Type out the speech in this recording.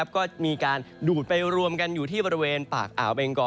ก็มีการดูดไปรวมกันอยู่ที่บริเวณปากอ่าวเบงกอ